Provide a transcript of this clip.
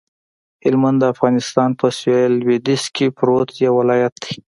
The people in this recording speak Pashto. هلمند د افغانستان په سویل لویدیځ کې پروت یو ولایت دی